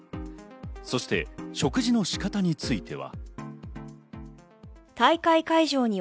そして食事の仕方については。